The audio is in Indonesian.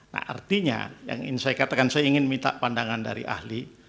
nah artinya yang ingin saya katakan saya ingin minta pandangan dari ahli